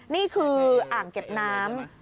นี่คืออ่างเก็บน้ำ